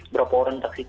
berapa orang yang divaksin